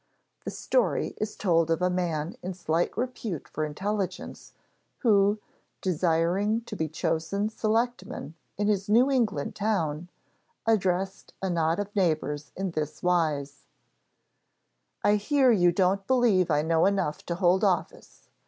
The story is told of a man in slight repute for intelligence, who, desiring to be chosen selectman in his New England town, addressed a knot of neighbors in this wise: "I hear you don't believe I know enough to hold office.